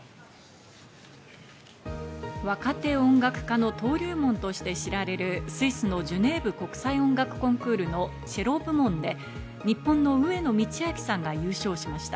若手音楽家の登竜門として知られるスイスのジュネーブ国際音楽コンクールのチェロ部門で、日本の上野通明さんが優勝しました。